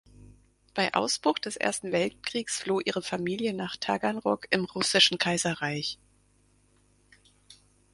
Bei Ausbruch des Ersten Weltkriegs floh ihre Familie nach Taganrog im Russischen Kaiserreich.